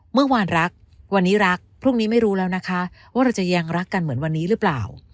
เมื่อวานรักวันนี้รักพรุ่งนี้ไม่รู้แล้วนะคะว่าเราจะยังรักกันเหมือนวันนี้หรือเปล่า